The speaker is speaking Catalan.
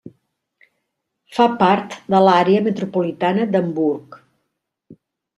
Fa part de l'Àrea metropolitana d'Hamburg.